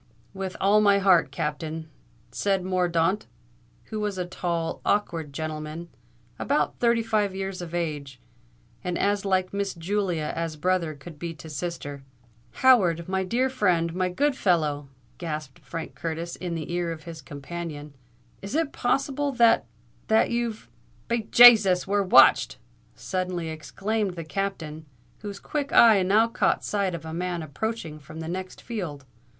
"With all my heart, Captain!" said Mordaunt, who was a tall, awkward gentleman, about thirty five years of age, and as like Miss Julia as brother could be to sister. "Howard—my dear friend—my good fellow," gasped Frank Curtis in the ear of his companion; "is it possible that—that—you've——" "Be Jasus! we're watched!" suddenly exclaimed the Captain, whose quick eye now caught sight of a man approaching from the next field.